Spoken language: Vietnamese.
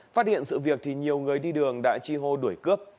phát hiện sự việc thì nhiều người đi đường đã chi hô đuổi cướp